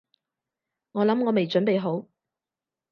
我諗我未準備好